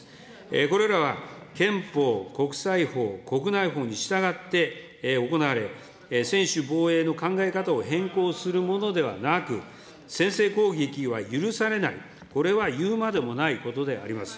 これらは憲法、国際法、国内法に従って行われ、専守防衛の考え方を変更するものではなく、先制攻撃は許されない、これは言うまでもないことであります。